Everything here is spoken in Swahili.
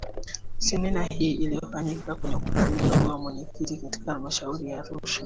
semina hii iliyofanyika kwenye Ukumbi mdogo wa mwenyekiti katika halmashauri ya Arusha